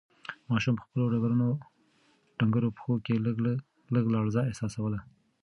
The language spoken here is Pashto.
ماشوم په خپلو ډنگرو پښو کې لږه لړزه احساسوله.